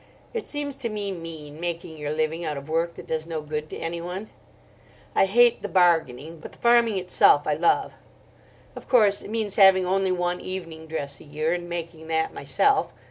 It seems to me mean, making your living out of work that does no good to anyone. I hate the bargaining, but the farming itself I love. Of course, it means having only one evening dress a year and making that myself.